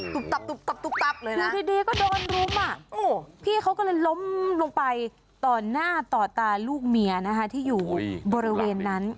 ตุ๊บตับตุ๊บตับตุ๊บตับเลยนะพี่ดีก็โดนรุมอ่ะพี่เขาก็เลยล้มลงไปต่อหน้าต่อตาลูกเมียนะคะที่อยู่บริเวณนั้น